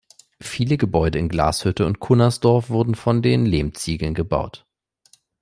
Viele Gebäude in Glashütte und Cunnersdorf wurden von den Lehmziegeln gebaut.